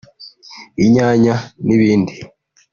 inyanya n’ibindi